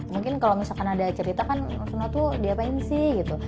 mungkin kalau misalkan ada cerita kan maksudnya tuh diapain sih gitu